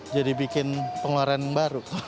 jadi bikin pengeluaran baru